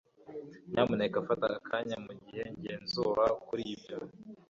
Nyamuneka fata akanya mugihe ngenzura kuri ibyo.